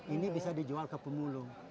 ini bisa dijual ke pemulung